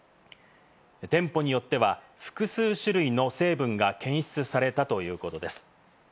店舗によっては、複数種類の成分が検出されたということです。